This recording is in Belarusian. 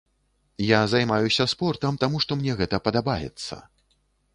Я займаюся спортам, таму што мне гэта падабаецца.